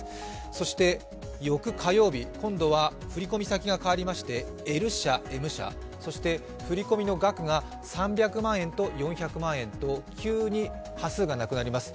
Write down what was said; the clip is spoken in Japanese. そして翌火曜日、今度は振込先が変わりましてＬ社、Ｍ社、振り込みの額が３００万円、４００万円と急に端数がなくなります。